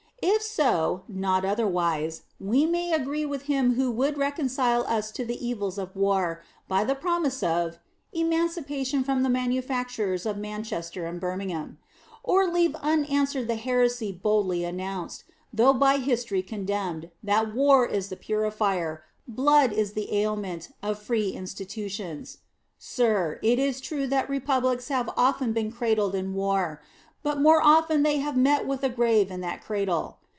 If so, not otherwise, we may agree with him who would reconcile us to the evils of war by the promise of "emancipation from the manufacturers of Manchester and Birmingham"; or leave unanswered the heresy boldly announced, though by history condemned, that war is the purifier, blood is the aliment, of free institutions. Sir, it is true that republics have often been cradled in war, but more often they have met with a grave in that cradle.